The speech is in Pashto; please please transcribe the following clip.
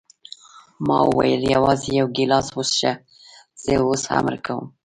ما وویل: یوازې یو ګیلاس وڅښه، زه اوس امر کوم.